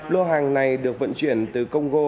lô hàng này được vận chuyển từ công gô